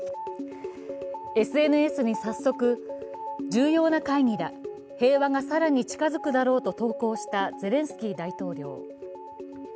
ＳＮＳに早速、重要な会議だ、平和が更に近づくだろうと投稿したゼレンスキー大統領。